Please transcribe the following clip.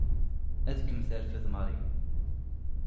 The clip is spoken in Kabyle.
Ad kem-terfed Mary.